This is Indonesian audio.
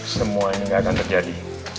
semua ini enggak akan terjadi